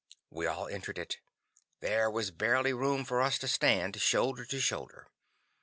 We all entered it. There was barely room for us to stand, shoulder to shoulder.